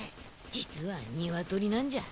実はニワトリなんじゃ。